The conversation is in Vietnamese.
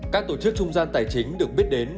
các tổ chức trung gian tài chính được biết đến